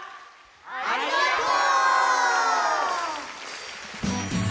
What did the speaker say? ありがとう！